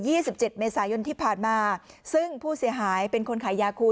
สิบเจ็ดเมษายนที่ผ่านมาซึ่งผู้เสียหายเป็นคนขายยาคู